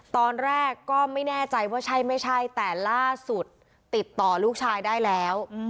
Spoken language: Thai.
ตอนแรกก็ไม่แน่ใจว่าใช่ไม่ใช่แต่ล่าสุดติดต่อลูกชายได้แล้ว